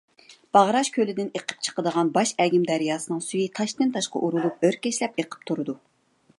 باغراش كۆلىدىن ئىېقىپ چىقىدىغان باش ئەگىم دەرياسىنىڭ سۈيى تاشتىن - تاشقا ئۇرۇلۇپ ئۆركەشلەپ ئىېقىپ تۇرۇدۇ .